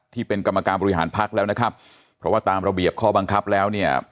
ที่เป็นกรรมการบริหารพักแล้วนะครับเพราะว่าตามระเบียบข้อบังคับแล้วเนี่ย